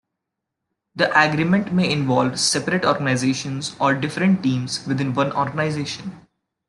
The agreement may involve separate organizations, or different teams within one organization.